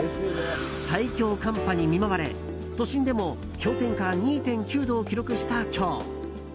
最強寒波に見舞われ都心でも氷点下２．９度を記録した今日。